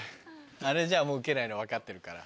あれじゃもうウケないの分かってるから。